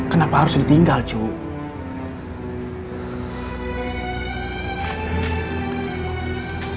kenapa harus ditinggal cuy